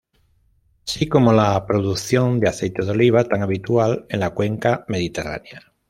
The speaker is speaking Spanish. Así como la producción de aceite de oliva, tan habitual en la cuenca mediterránea.